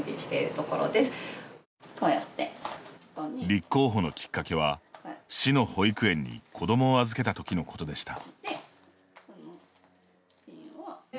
立候補のきっかけは市の保育園に子どもを預けたときのことでした。